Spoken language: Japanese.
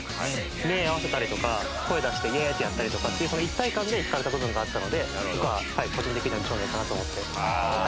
目合わせたりとか声出して「イエーイ！」ってやったりとかっていうその一体感で惹かれた部分があったので僕は個人的には美少年かなと思って。